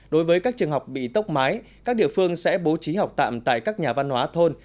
đối với các trường học bị tốc mái các địa phương sẽ bố trí học tạm tại các nhà văn hóa thôn